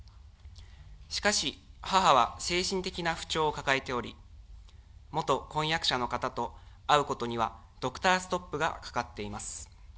しかし、母は精神的な不調を抱えており、元婚約者の方と会うことにはドクターストップがかかっています。